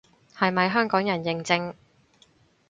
係咪香港人認證